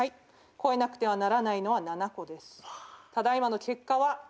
越えなくてはならないのは７個です。